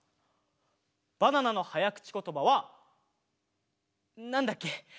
バナナのはやくちことばはなんだっけ？